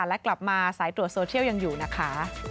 และกลับมาสายตรวจโซเชียลยังอยู่นะคะ